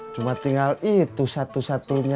cuma tinggal itu satu satunya